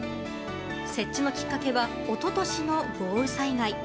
設置のきっかけは一昨年の豪雨災害。